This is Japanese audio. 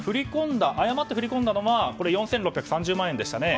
誤って振り込んだのは４６３０万円でしたよね。